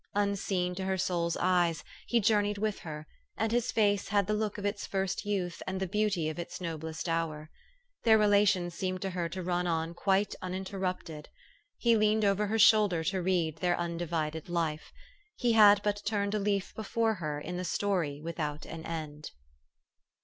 Unseen to her soul's eyes, he journeyed with her ; and his face had the look of its first youth and the beauty of its noblest hour. Their relation seemed to her to run on quite uninterrupted. He leaned over her shoul der to read their undivided life. He had but turned a leaf before her in the story without an end.